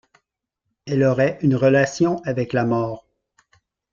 Elle aurait une relation avec la mort.